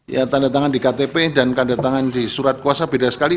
yang tandatangan di ktp dan tandatangan di surat kuasa beda sekali